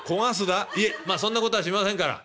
「いえまあそんなことはしませんから。